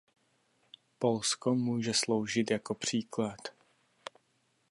Polsko může sloužit jako příklad.